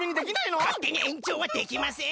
かってにえんちょうはできません。